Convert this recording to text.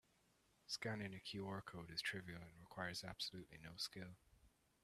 Scanning a QR code is trivial and requires absolutely no skill.